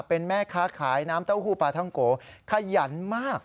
เป็นแม่ค้าขายน้ำเต้าหู้ปลาท่องโกขยันมาก